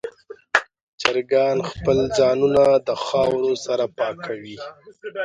چرګان خپل ځانونه د خاورو سره پاکوي.